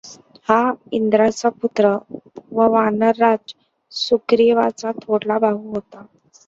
हा इंद्राचा पुत्र व वानरराज सुग्रीवाचा थोरला भाऊ होता.